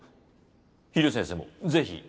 秘龍先生もぜひ